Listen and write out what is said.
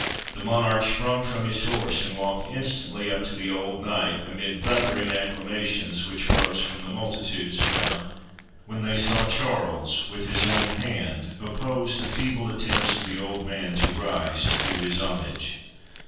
The Monarch sprung from his horse, and walked instantly up to the old knight, amid thundering acclamations which rose from the multitudes around, when they saw Charles with his own hand oppose the feeble attempts of the old man to rise to do his homage.